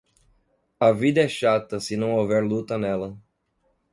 A vida é chata se não houver luta nela.